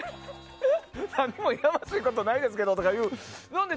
何もやましいことないですけどっていう。